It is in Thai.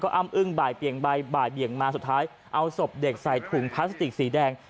อ้ำอึ้งบ่ายเบี่ยงบ่ายเบี่ยงมาสุดท้ายเอาศพเด็กใส่ถุงพลาสติกสีแดง